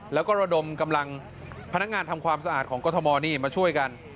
แล้วก็ระดมกำลังพนักงานทำความสะอาดของกรทมนี่มาช่วยกัน